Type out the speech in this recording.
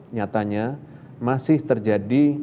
nyatanya masih terjadi